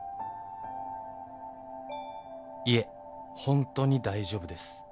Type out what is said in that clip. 「いえほんとに大丈夫です！